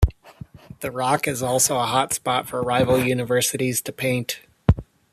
The Rock is also a hot spot for rival universities to paint.